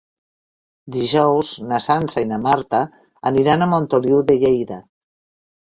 Dijous na Sança i na Marta aniran a Montoliu de Lleida.